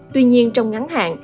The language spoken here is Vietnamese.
tuy nhiên trong ngắn hạn